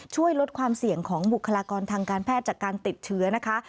ช่วยลดความเสี่ยงของบุคลากรทางการแพทย์จากการติดเชื้อนะคะ